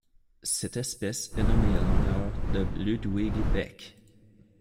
Cette espèce est nommée en l'honneur de Ludwig Beck.